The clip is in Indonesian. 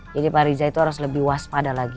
jadi pak riza itu harus lebih waspada lagi